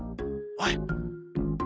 おい！